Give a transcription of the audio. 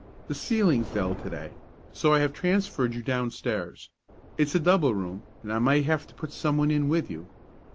The ceiling fell to day, so I have transferred you downstairs. It's a double room, and I may have to put someone in with you.